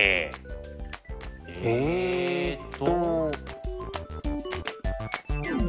えっと。